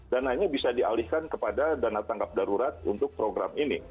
dan hanya bisa dialihkan kepada dana tanggap darurat untuk program ini